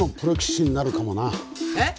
えっ！？